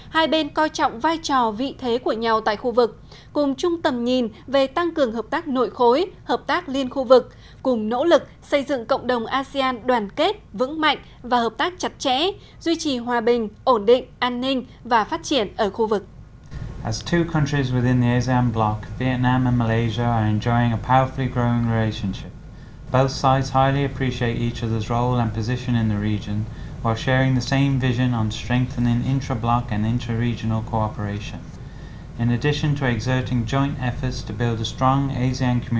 hai bên coi trọng vai trò vị thế của nhau tại khu vực cùng chung tầm nhìn về tăng cường hợp tác nội khối hợp tác liên khu vực cùng nỗ lực xây dựng cộng đồng asean đoàn kết vững mạnh và hợp tác chặt chẽ duy trì hòa bình ổn định an ninh và phát triển ở khu vực